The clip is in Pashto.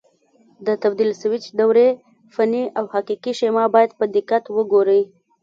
د تبدیل سویچ دورې فني او حقیقي شیما باید په دقت وګورئ.